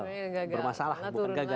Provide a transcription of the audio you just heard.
bermasalah bukan gagal